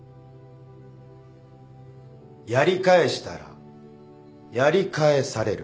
やり返したらやり返される。